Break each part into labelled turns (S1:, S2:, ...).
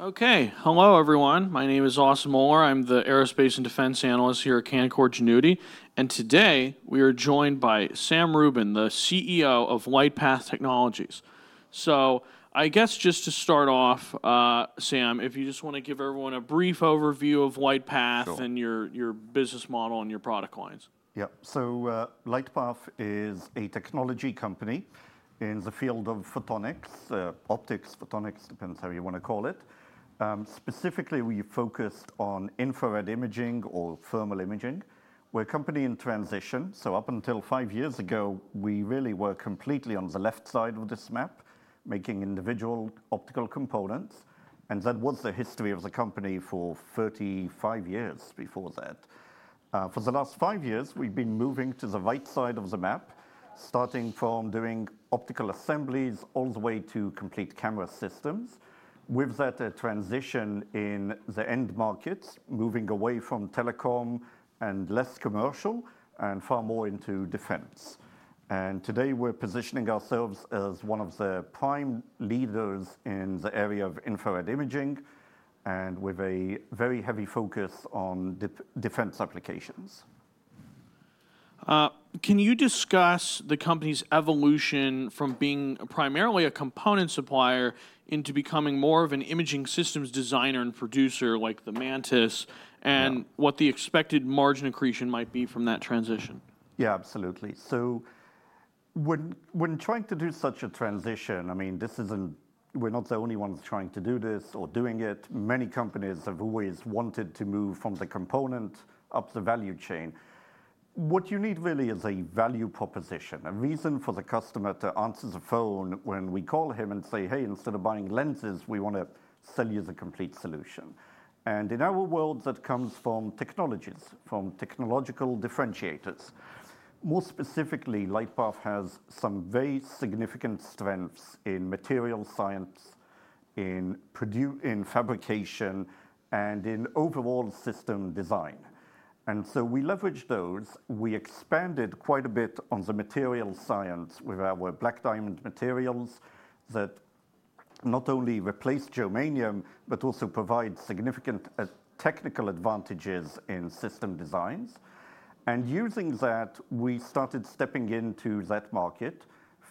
S1: Okay. Hello, everyone. My name is Austin Moeller. I'm the Aerospace and Defense Analyst here at Canaccord Genuity. Today we are joined by Sam Rubin, the CEO of LightPath Technologies. I guess just to start off, Sam, if you just want to give everyone a brief overview of LightPath and your business model and your product lines.
S2: Yeah. LightPath is a technology company in the field of photonics, optics, photonics, depends how you want to call it. Specifically, we focused on infrared imaging or thermal imaging. We're a company in transition. Up until five years ago, we really were completely on the left side of this map, making individual optical components. That was the history of the company for 35 years before that. For the last five years, we've been moving to the right side of the map, starting from doing optical assemblies all the way to complete camera systems. With that, a transition in the end markets, moving away from telecom and less commercial and far more into defense. Today we're positioning ourselves as one of the prime leaders in the area of infrared imaging with a very heavy focus on defense applications.
S1: Can you discuss the company's evolution from being primarily a component supplier into becoming more of an imaging systems designer and producer like the Mantis, and what the expected margin accretion might be from that transition?
S2: Yeah, absolutely. When trying to do such a transition, I mean, this isn't, we're not the only ones trying to do this or doing it. Many companies have always wanted to move from the component up the value chain. What you need really is a value proposition, a reason for the customer to answer the phone when we call him and say, "Hey, instead of buying lenses, we want to sell you the complete solution." In our world, that comes from technologies, from technological differentiators. More specifically, LightPath has some very significant strengths in material science, in fabrication, and in overall system design. We leverage those. We expanded quite a bit on the material science with our BlackDiamond materials that not only replace germanium, but also provide significant technical advantages in system designs. Using that, we started stepping into that market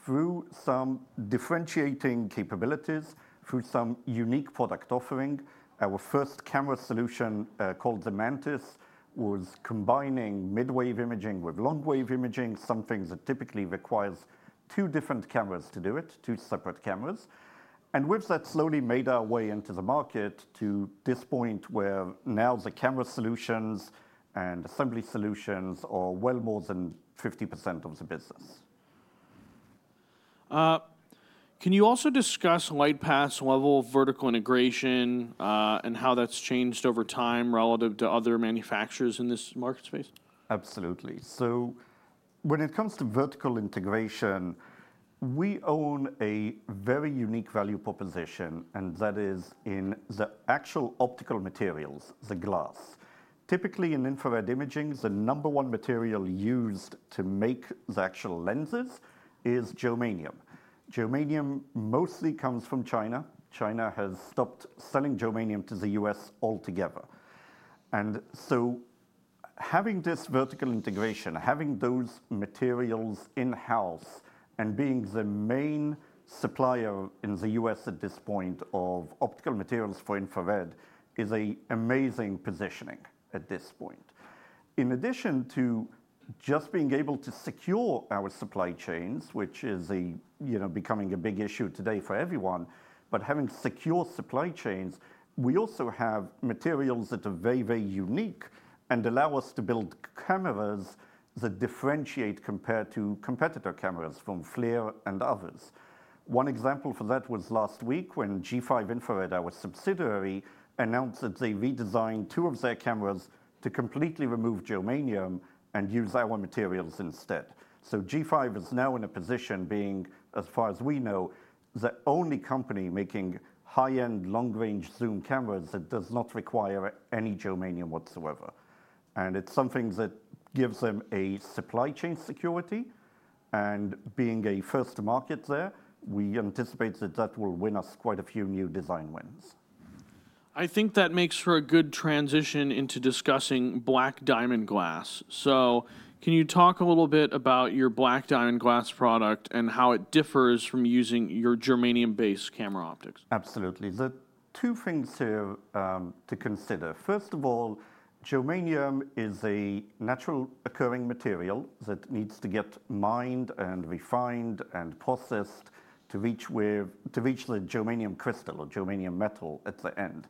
S2: through some differentiating capabilities, through some unique product offering. Our first camera solution called the Mantis was combining mid-wave imaging with long-wave imaging, something that typically requires two different cameras to do it, two separate cameras. With that, slowly made our way into the market to this point where now the camera solutions and assembly solutions are well more than 50% of the business.
S1: Can you also discuss LightPath's level of vertical integration and how that's changed over time relative to other manufacturers in this market space?
S2: Absolutely. When it comes to vertical integration, we own a very unique value proposition, and that is in the actual optical materials, the glass. Typically, in infrared imaging, the number one material used to make the actual lenses is germanium. Germanium mostly comes from China. China has stopped selling germanium to the U.S. altogether. Having this vertical integration, having those materials in-house, and being the main supplier in the U.S. at this point of optical materials for infrared is an amazing positioning at this point. In addition to just being able to secure our supply chains, which is becoming a big issue today for everyone, having secure supply chains, we also have materials that are very, very unique and allow us to build cameras that differentiate compared to competitor cameras from FLIR and others. One example for that was last week when G5 Infrared, our subsidiary, announced that they redesigned two of their cameras to completely remove germanium and use our materials instead. G5 is now in a position of being, as far as we know, the only company making high-end long-range zoom cameras that do not require any germanium whatsoever. It is something that gives them a supply chain security. Being a first market there, we anticipate that that will win us quite a few new design wins.
S1: I think that makes for a good transition into discussing BlackDiamond glass. Can you talk a little bit about your BlackDiamond glass product and how it differs from using your germanium-based camera optics?
S2: Absolutely. There are two things here to consider. First of all, germanium is a naturally occurring material that needs to get mined and refined and processed to reach the germanium crystal or germanium metal at the end.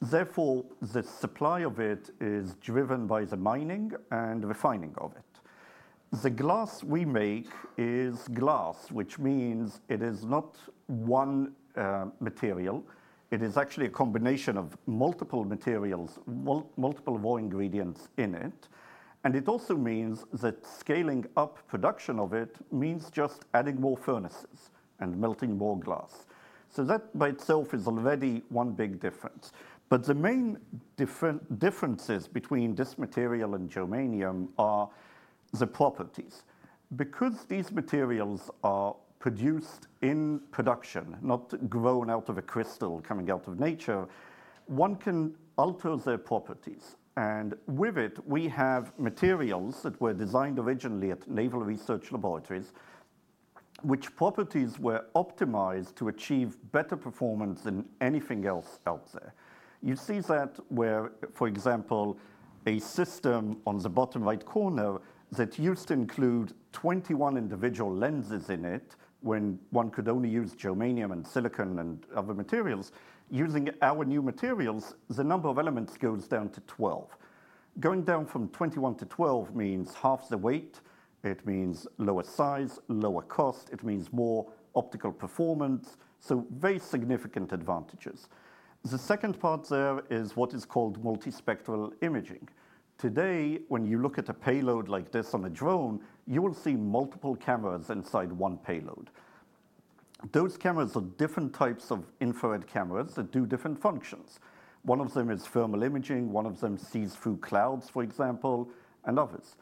S2: Therefore, the supply of it is driven by the mining and refining of it. The glass we make is glass, which means it is not one material. It is actually a combination of multiple materials, multiple raw ingredients in it. It also means that scaling up production of it means just adding more furnaces and melting more glass. That by itself is already one big difference. The main differences between this material and germanium are the properties. Because these materials are produced in production, not grown out of a crystal coming out of nature, one can alter their properties. With it, we have materials that were designed originally at U.S. Naval Research Laboratory, which properties were optimized to achieve better performance than anything else out there. You see that where, for example, a system on the bottom right corner that used to include 21 individual lenses in it when one could only use germanium and silicon and other materials. Using our new materials, the number of elements goes down to 12. Going down from 21 to 12 means half the weight. It means lower size, lower cost. It means more optical performance. Very significant advantages. The second part there is what is called multispectral imaging. Today, when you look at a payload like this on a drone, you will see multiple cameras inside one payload. Those cameras are different types of infrared cameras that do different functions. One of them is thermal imaging. One of them sees through clouds, for example, and others.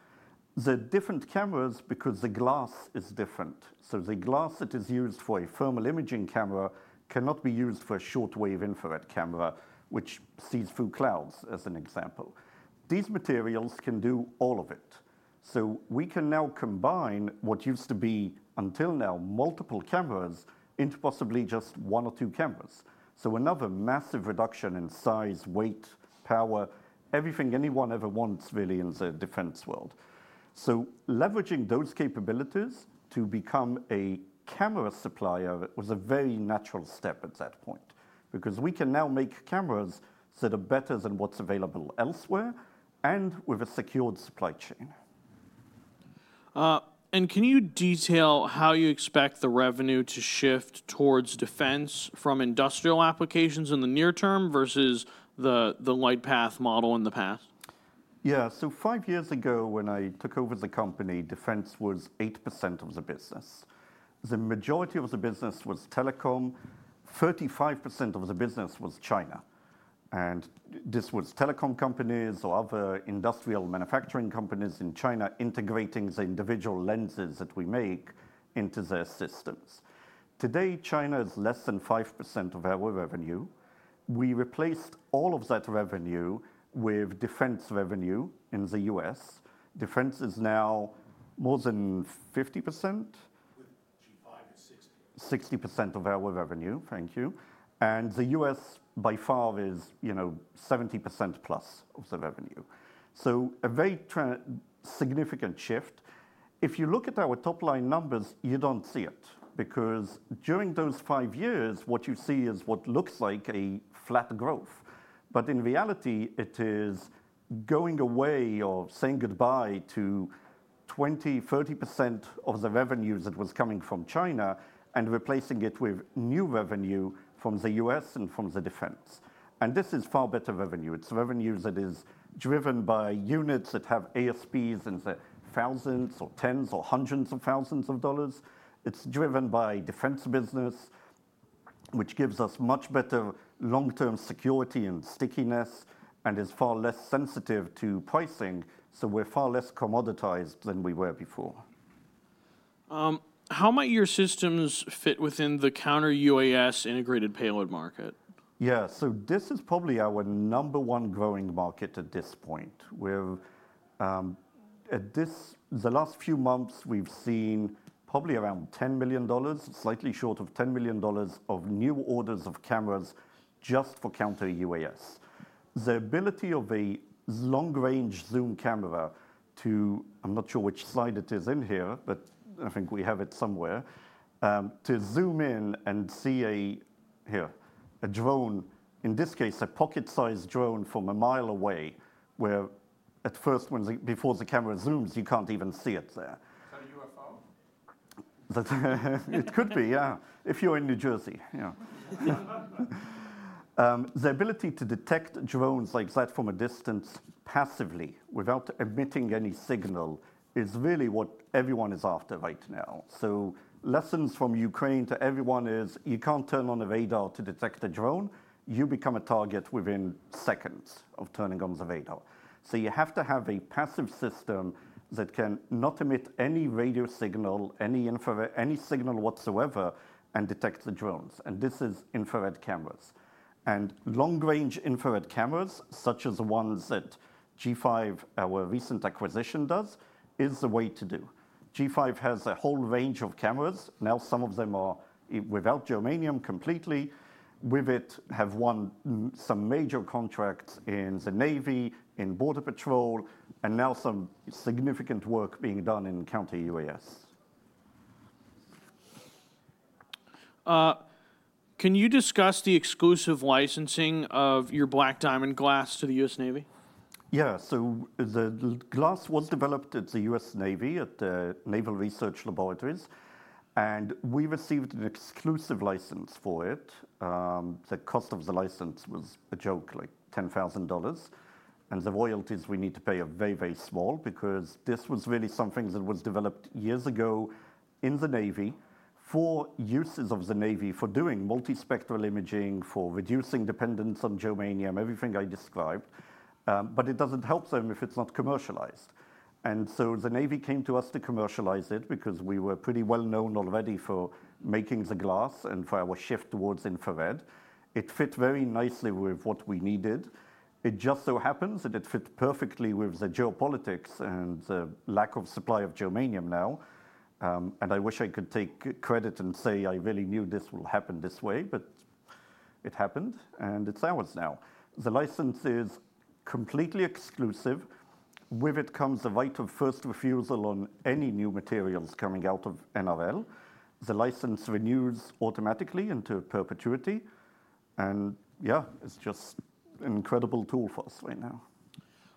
S2: They're different cameras because the glass is different. The glass that is used for a thermal imaging camera cannot be used for a shortwave infrared camera, which sees through clouds as an example. These materials can do all of it. We can now combine what used to be, until now, multiple cameras into possibly just one or two cameras. Another massive reduction in size, weight, power, everything anyone ever wants really in the defense world. Leveraging those capabilities to become a camera supplier was a very natural step at that point because we can now make cameras that are better than what's available elsewhere and with a secured supply chain.
S1: Can you detail how you expect the revenue to shift towards defense from industrial applications in the near term versus the LightPath model in the past?
S2: Five years ago, when I took over the company, defense was 8% of the business. The majority of the business was telecom. 35% of the business was China. This was telecom companies or other industrial manufacturing companies in China integrating the individual lenses that we make into their systems. Today, China is less than 5% of our revenue. We replaced all of that revenue with defense revenue in the U.S. Defense is now more than 50%.
S3: 60%.
S2: 60% of our revenue. Thank you. The U.S. by far is 70%+ of the revenue, so a very significant shift. If you look at our top line numbers, you don't see it because during those five years, what you see is what looks like a flat growth. In reality, it is going away or saying goodbye to 20%,30% of the revenues that was coming from China and replacing it with new revenue from the U.S. and from the defense. This is far better revenue. It's revenue that is driven by units that have ASPs in the thousands or tens or hundreds of thousands of dollars. It's driven by defense business, which gives us much better long-term security and stickiness and is far less sensitive to pricing. We're far less commoditized than we were before.
S1: How might your systems fit within the counter-UAS integrated payload market?
S2: Yeah. This is probably our number one growing market at this point. In the last few months, we've seen probably around $10 million, slightly short of $10 million, of new orders of cameras just for counter-UAS. The ability of a long-range zoom camera to, I'm not sure which slide it is in here, but I think we have it somewhere, to zoom in and see a drone, in this case, a pocket-sized drone from a mile away, where at first, before the camera zooms, you can't even see it there. It could be, yeah. If you're in New Jersey. The ability to detect drones like that from a distance passively without emitting any signal is really what everyone is after right now. Lessons from Ukraine to everyone is you can't turn on a radar to detect a drone. You become a target within seconds of turning on the radar. You have to have a passive system that cannot emit any radio signal, any infrared, any signal whatsoever, and detect the drones. This is infrared cameras. Long-range infrared cameras, such as the ones that G5, our recent acquisition, does, is the way to do. G5 has a whole range of cameras. Some of them are without germanium completely. With it, we have won some major contracts in the Navy, in Border Patrol, and now some significant work being done in counter-UAS.
S1: Can you discuss the exclusive licensing of your BlackDiamond glass to the U.S. Navy?
S2: Yeah. The glass was developed at the U.S. Naval Research Laboratory, and we received an exclusive license for it. The cost of the license was a joke, like $10,000. The royalties we need to pay are very, very small because this was really something that was developed years ago in the Navy for uses of the Navy for doing multispectral imaging, for reducing dependence on germanium, everything I described. It does not help them if it's not commercialized. The Navy came to us to commercialize it because we were pretty well known already for making the glass and for our shift towards infrared. It fit very nicely with what we needed. It just so happens that it fit perfectly with the geopolitics and the lack of supply of germanium now. I wish I could take credit and say I really knew this would happen this way, but it happened, and it's ours now. The license is completely exclusive. With it comes the right of first refusal on any new materials coming out of NRL. The license renews automatically into perpetuity. It's just an incredible tool for us right now.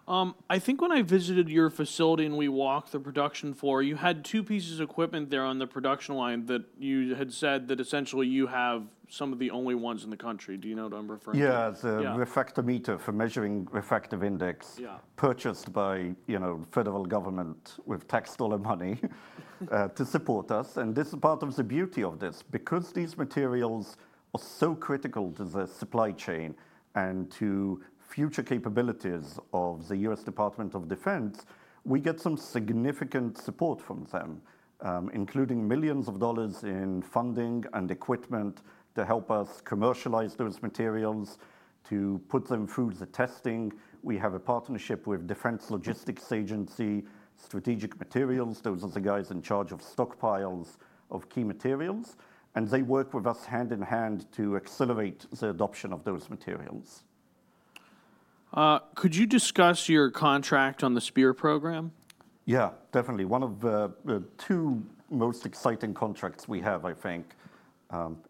S1: I think when I visited your facility and we walked the production floor, you had two pieces of equipment there on the production line that you had said that essentially you have some of the only ones in the country. Do you know what I'm referring to?
S2: Yeah. The refractometer for measuring refractive index, purchased by the federal government with tax dollar money to support us. This is part of the beauty of this, because these materials are so critical to the supply chain and to future capabilities of the U.S. Department of Defense. We get some significant support from them, including millions of dollars in funding and equipment to help us commercialize those materials, to put them through the testing. We have a partnership with the Defense Logistics Agency, Strategic Materials. Those are the guys in charge of stockpiles of key materials, and they work with us hand in hand to accelerate the adoption of those materials.
S1: Could you discuss your contract on the SPEAR program?
S2: Yeah, definitely. One of the two most exciting contracts we have, I think,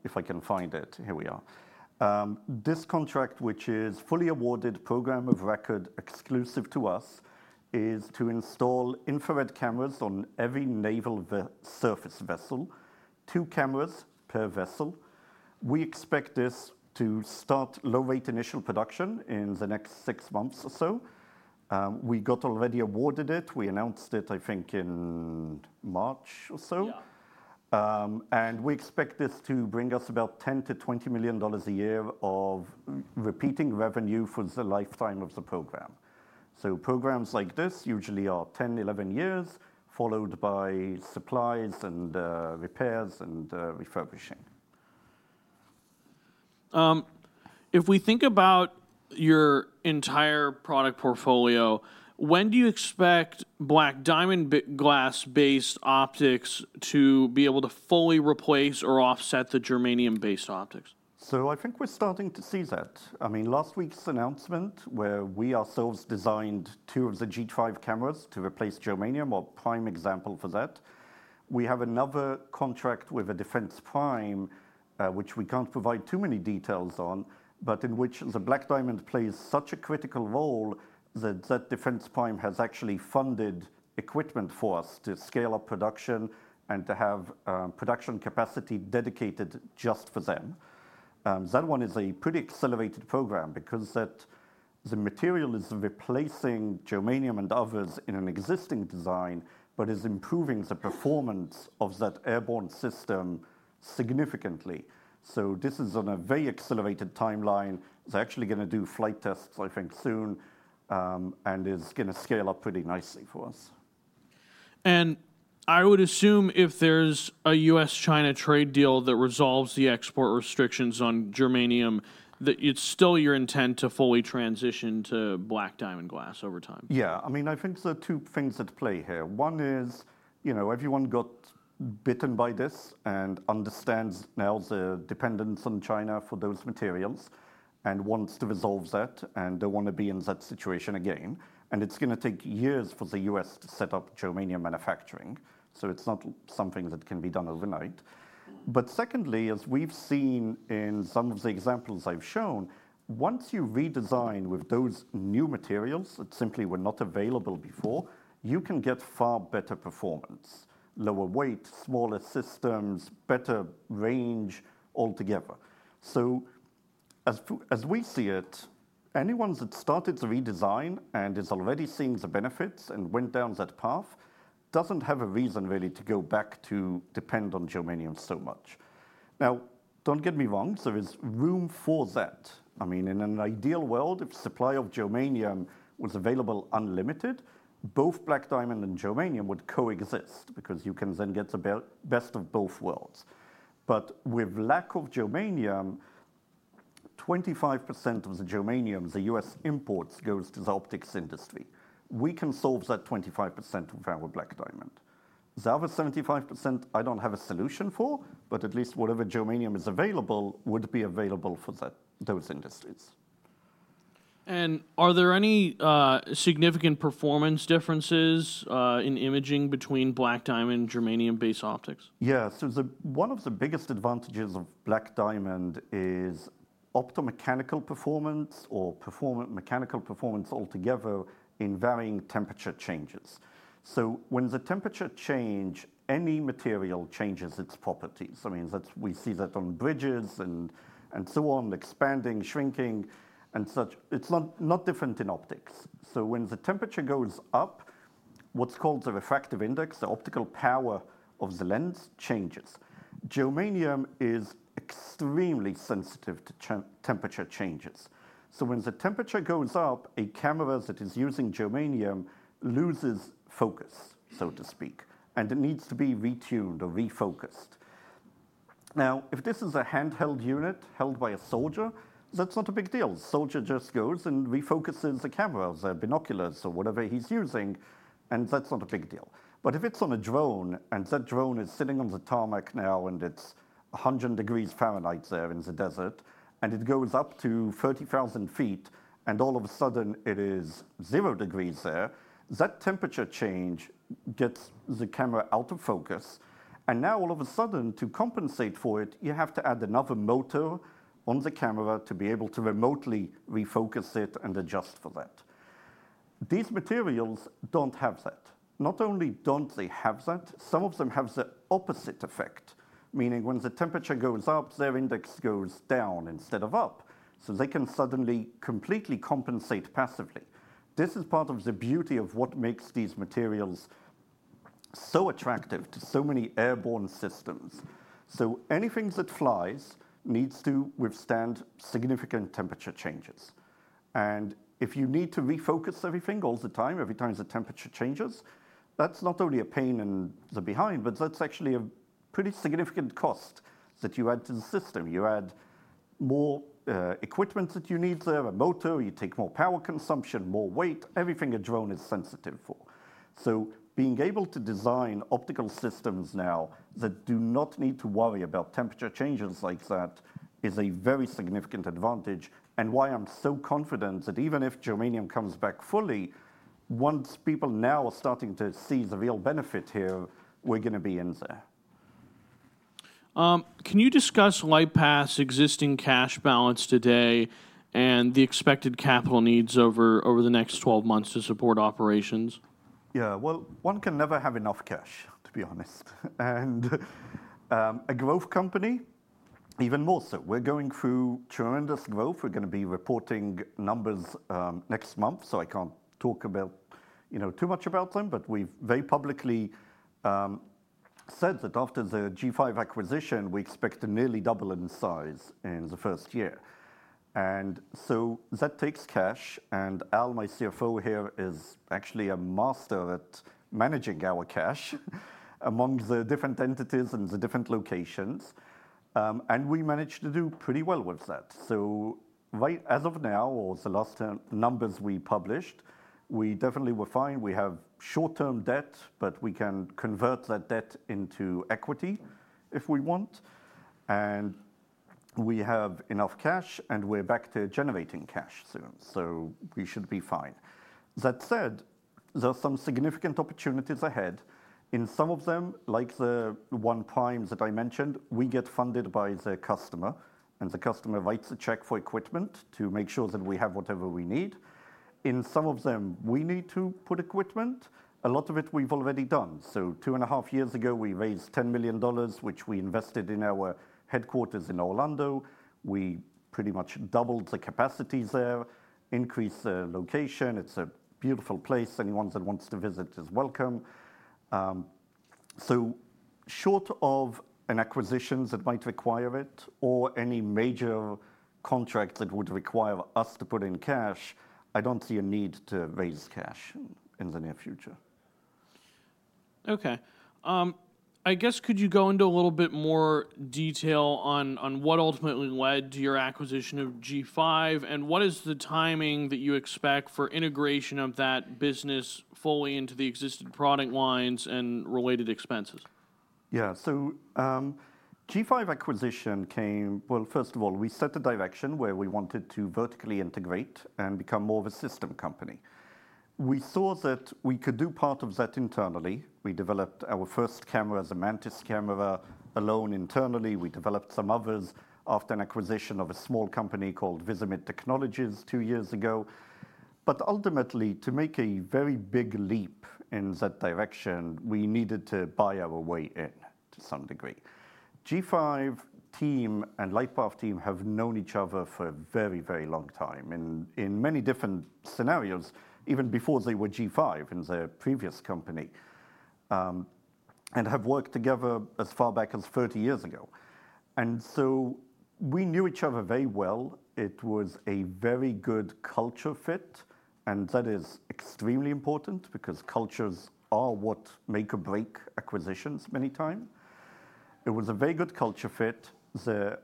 S2: if I can find it. Here we are. This contract, which is a fully awarded program of record exclusive to us, is to install infrared cameras on every naval surface vessel, two cameras per vessel. We expect this to start low-rate initial production in the next six months or so. We got already awarded it. We announced it, I think, in March or so. We expect this to bring us about $10 million-$20 million a year of repeating revenue for the lifetime of the program. Programs like this usually are 10, 11 years, followed by supplies and repairs and refurbishing.
S1: If we think about your entire product portfolio, when do you expect BlackDiamond glass-based optics to be able to fully replace or offset the germanium-based optics?
S2: I think we're starting to see that. Last week's announcement where we ourselves designed two of the G5 cameras to replace germanium is a prime example of that. We have another contract with a defense prime, which we can't provide too many details on, but in which the BlackDiamond plays such a critical role that that defense prime has actually funded equipment for us to scale up production and to have production capacity dedicated just for them. That one is a pretty accelerated program because the material is replacing germanium and others in an existing design, but is improving the performance of that airborne system significantly. This is on a very accelerated timeline. They're actually going to do flight tests, I think, soon, and it's going to scale up pretty nicely for us.
S1: I would assume if there's a U.S.-China trade deal that resolves the export restrictions on germanium, that it's still your intent to fully transition to BlackDiamond glass over time.
S2: Yeah. I mean, I think there are two things at play here. One is, you know, everyone got bitten by this and understands now the dependence on China for those materials and wants to resolve that and don't want to be in that situation again. It's going to take years for the U.S. to set up germanium manufacturing. It's not something that can be done overnight. Secondly, as we've seen in some of the examples I've shown, once you redesign with those new materials that simply were not available before, you can get far better performance, lower weight, smaller systems, better range altogether. As we see it, anyone that started to redesign and is already seeing the benefits and went down that path doesn't have a reason really to go back to depend on germanium so much. Now, don't get me wrong. There is room for that. I mean, in an ideal world, if the supply of germanium was available unlimited, both BlackDiamond and germanium would coexist because you can then get the best of both worlds. With lack of germanium, 25% of the germanium the U.S. imports goes to the optics industry. We can solve that 25% with our BlackDiamond. The other 75%, I don't have a solution for, but at least whatever germanium is available would be available for those industries.
S1: Are there any significant performance differences in imaging between BlackDiamond and germanium-based optics?
S2: Yeah. One of the biggest advantages of BlackDiamond is optomechanical performance or mechanical performance altogether in varying temperature changes. When the temperature changes, any material changes its properties. We see that on bridges and so on, expanding, shrinking, and such. It's not different in optics. When the temperature goes up, what's called the refractive index, the optical power of the lens changes. Germanium is extremely sensitive to temperature changes. When the temperature goes up, a camera that is using germanium loses focus, so to speak, and it needs to be retuned or refocused. If this is a handheld unit held by a soldier, that's not a big deal. The soldier just goes and refocuses the camera, the binoculars, or whatever he's using, and that's not a big deal. If it's on a drone and that drone is sitting on the tarmac now and it's 100 °F there in the desert and it goes up to 30,000 ft and all of a sudden it is 0 °F there, that temperature change gets the camera out of focus. To compensate for it, you have to add another motor on the camera to be able to remotely refocus it and adjust for that. These materials don't have that. Not only don't they have that, some of them have the opposite effect, meaning when the temperature goes up, their index goes down instead of up. They can suddenly completely compensate passively. This is part of the beauty of what makes these materials so attractive to so many airborne systems. Anything that flies needs to withstand significant temperature changes. If you need to refocus everything all the time, every time the temperature changes, that's not only a pain in the behind, but that's actually a pretty significant cost that you add to the system. You add more equipment that you need there, a motor, you take more power consumption, more weight, everything a drone is sensitive for. Being able to design optical systems now that do not need to worry about temperature changes like that is a very significant advantage and why I'm so confident that even if germanium comes back fully, once people now are starting to see the real benefit here, we're going to be in there.
S1: Can you discuss LightPath's existing cash balance today and the expected capital needs over the next 12 months to support operations?
S2: Yeah. One can never have enough cash, to be honest. A growth company, even more so, we're going through tremendous growth. We're going to be reporting numbers next month. I can't talk too much about them, but we've very publicly said that after the G5 Infrared acquisition, we expect to nearly double in size in the first year. That takes cash. Al, my CFO here, is actually a master at managing our cash among the different entities and the different locations. We managed to do pretty well with that. Right as of now, or the last numbers we published, we definitely were fine. We have short-term debt, but we can convert that debt into equity if we want. We have enough cash and we're back to generating cash soon. We should be fine. That said, there are some significant opportunities ahead. In some of them, like the one prime that I mentioned, we get funded by the customer, and the customer writes a check for equipment to make sure that we have whatever we need. In some of them, we need to put equipment. A lot of it we've already done. Two and a half years ago, we raised $10 million, which we invested in our headquarters in Orlando. We pretty much doubled the capacities there, increased the location. It's a beautiful place. Anyone that wants to visit is welcome. Short of an acquisition that might require it or any major contract that would require us to put in cash, I don't see a need to raise cash in the near future.
S1: Okay. I guess could you go into a little bit more detail on what ultimately led to your acquisition of G5 and what is the timing that you expect for integration of that business fully into the existing product lines and related expenses?
S2: Yeah. G5 acquisition came, first of all, we set the direction where we wanted to vertically integrate and become more of a system company. We saw that we could do part of that internally. We developed our first camera, the Mantis camera, alone internally. We developed some others after an acquisition of a small company called Visimid Technologies two years ago. Ultimately, to make a very big leap in that direction, we needed to buy our way in to some degree. G5 team and LightPath team have known each other for a very, very long time in many different scenarios, even before they were G5 in their previous company and have worked together as far back as 30 years ago. We knew each other very well. It was a very good culture fit, and that is extremely important because cultures are what make or break acquisitions many times. It was a very good culture fit. The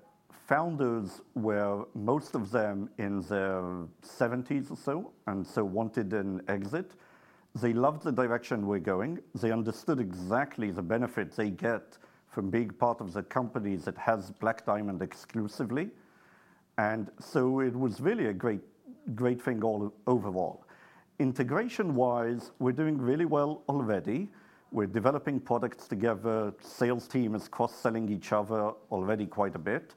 S2: founders were, most of them, in their 70s or so and wanted an exit. They loved the direction we're going. They understood exactly the benefits they get from being part of the company that has BlackDiamond exclusively. It was really a great thing overall. Integration-wise, we're doing really well already. We're developing products together. Sales team is cross-selling each other already quite a bit.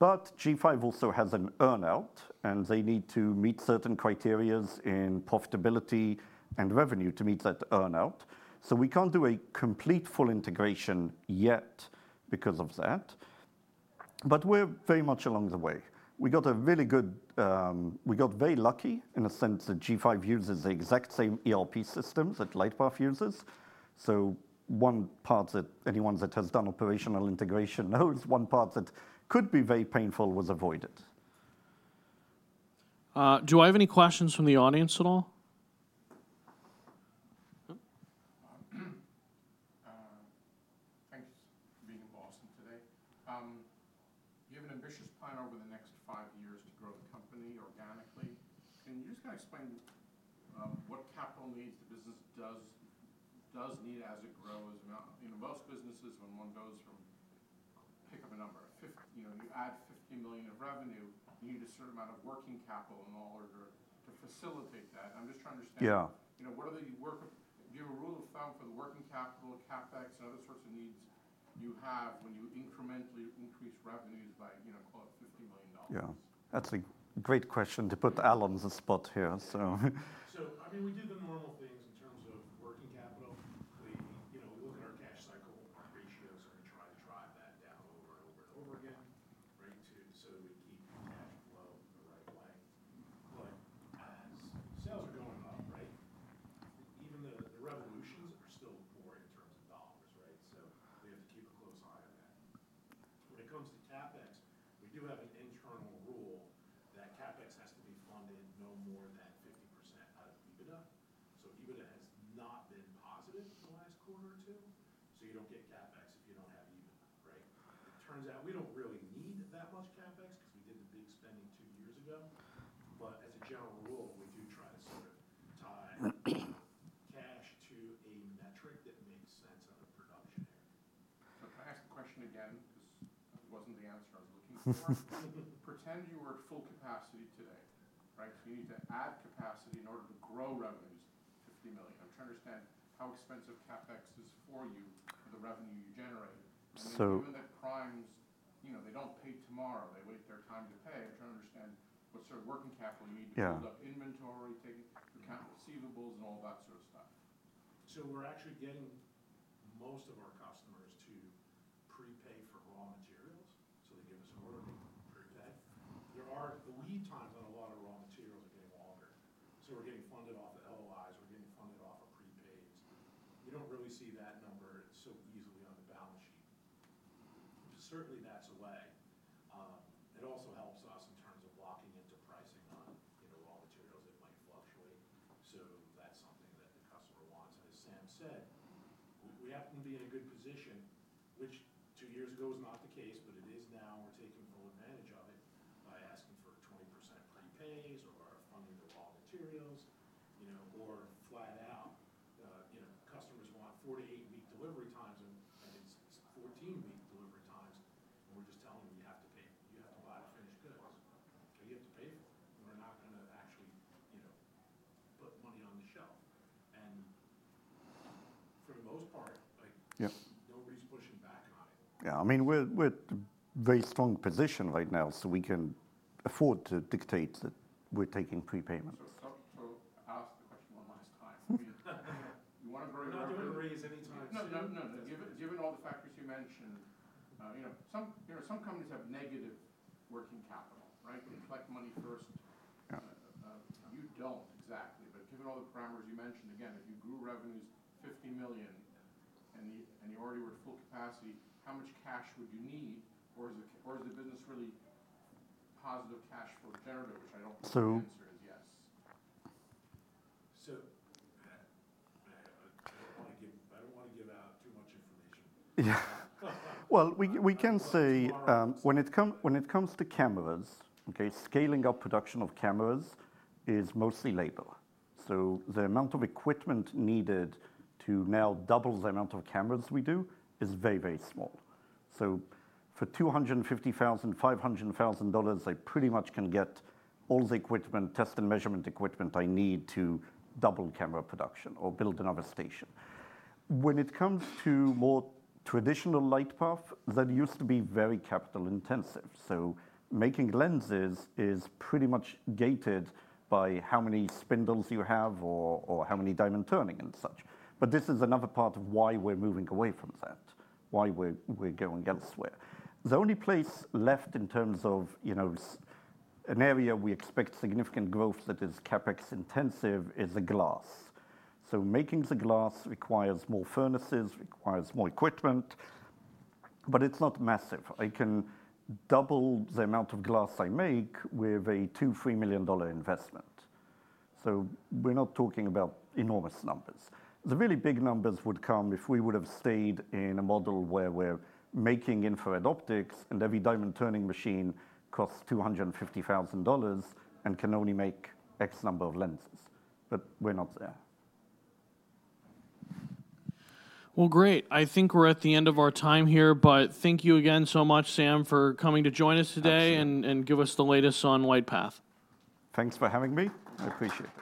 S2: G5 also has an earnout, and they need to meet certain criteria in profitability and revenue to meet that earnout. We can't do a complete full integration yet because of that. We're very much along the way. We got very lucky in a sense that G5 uses the exact same ERP systems that LightPath uses. One part that anyone that has done operational integration knows, one part that could be very painful was avoided.
S1: Do I have any questions from the audience at all?
S4: Thanks, Austin. You have an ambitious plan over the next five years to grow the company organically. Can you just kind of explain what capital needs the business does need as it grows? Most businesses, when one goes from, pick up a number,
S3: last quarter or two. You don't get CapEx if you don't have EBITDA, right? It turns out we don't really need that much CapEx because we did the big spending two years ago. As a general rule, we do try to tie cash to a metric that makes sense out of production.
S4: Can I ask a question again? That wasn't the answer I was looking for. Pretend you are at full capacity today, right? You need to add capacity in order to grow revenues $50 million. I'm trying to understand how expensive CapEx is for you, the revenue you generate. When that client, you know, they don't pay tomorrow. They wait their time to pay. I'm trying to understand what sort of working capital you need to keep up inventory, taking account of receivables and all that sort of stuff.
S3: We're actually getting most of our customers
S4: and you already were at full capacity, how much cash would you need? Or is the business really positive cash flow generative? The answer is yes.
S3: I don't want to give out too much.
S2: When it comes to cameras, scaling up production of cameras is mostly labor. The amount of equipment needed to now double the amount of cameras we do is very, very small. For $250,000, $500,000, I pretty much can get all the equipment, test and measurement equipment I need to double camera production or build another station. When it comes to more traditional LightPath, that used to be very capital intensive. Making lenses is pretty much gated by how many spindles you have or how many diamond turning and such. This is another part of why we're moving away from that, why we're going elsewhere. The only place left in terms of an area we expect significant growth that is CapEx intensive is glass. Making the glass requires more furnaces, requires more equipment, but it's not massive. I can double the amount of glass I make with a $2 million, $3 million investment. We're not talking about enormous numbers. The really big numbers would come if we would have stayed in a model where we're making infrared optics and every diamond turning machine costs $250,000 and can only make X number of lenses. We're not there.
S1: I think we're at the end of our time here, but thank you again so much, Sam, for coming to join us today and give us the latest on LightPath.
S2: Thanks for having me. I appreciate it.